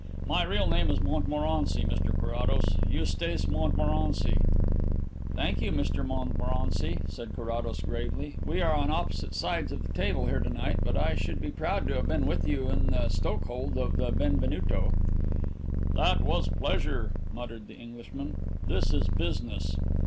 My real name is Montmorency, Mr Carrados Eustace Montmorency." "Thank you, Mr Montmorency," said Carrados gravely. "We are on opposite sides of the table here to night, but I should be proud to have been with you in the stokehold of the Benvenuto." "That was pleasure," muttered the Englishman. "This is business."